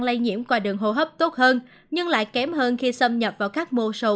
lây nhiễm qua đường hô hấp tốt hơn nhưng lại kém hơn khi xâm nhập vào các mô sầu